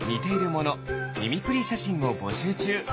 ミミクリーしゃしんをぼしゅうちゅう。